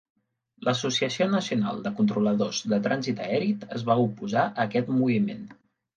L'Associació Nacional de Controladors de Trànsit Aeri es va oposar a aquest moviment.